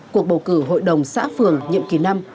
cuộc bầu cử hội đồng xã phường nhiệm kỳ năm